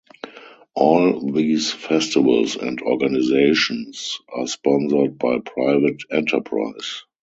All these festivals and organisations are sponsored by private enterprise.